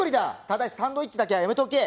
ただしサンドイッチだけはやめとけ。